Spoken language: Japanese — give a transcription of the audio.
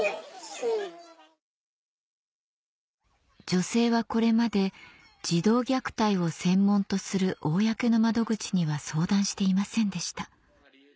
女性はこれまで児童虐待を専門とする公の窓口には相談していませんでした